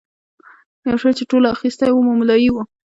یو شی چې ټولو اخیستی و مملايي وه.